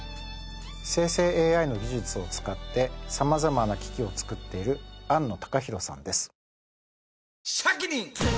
生成ＡＩの技術を使って様々な機器を作っている安野貴博さんです。